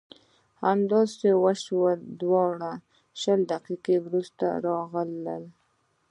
همداسې وشول دواړه شل دقیقې وروسته راغلل.